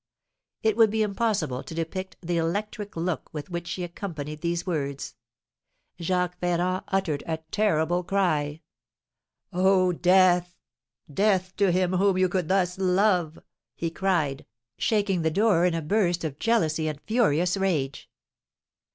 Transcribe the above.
It would be impossible to depict the electric look with which she accompanied these words. Jacques Ferrand uttered a terrible cry. "Oh, death! Death to him whom you could thus love!" he cried, shaking the door in a burst of jealousy and furious rage.